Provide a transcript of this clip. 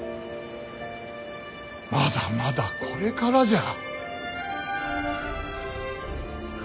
まだまだこれからじゃ。